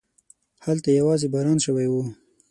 هلته يواځې باران شوی و.